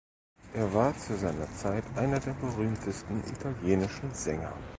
Er war zu seiner Zeit einer der berühmtesten italienischen Sänger.